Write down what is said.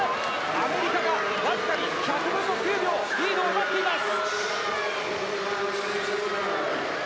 アメリカがわずかに１００分の９秒リードを奪っています！